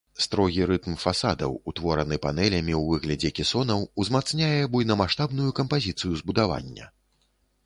Строгі рытм фасадаў, утвораны панелямі ў выглядзе кесонаў, узмацняе буйнамаштабную кампазіцыю збудавання.